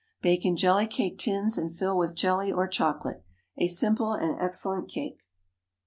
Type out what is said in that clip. Bake in jelly cake tins, and fill with jelly or chocolate. A simple and excellent cake.